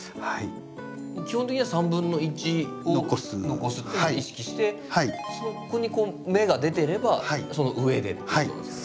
基本的には３分の１を残すっていうのを意識してそこに芽が出てればその上でってことなんですか？